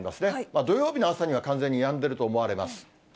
土曜日の朝には完全にやんでると思われます。